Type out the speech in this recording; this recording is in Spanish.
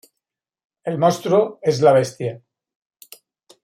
El monstruo es la Bestia.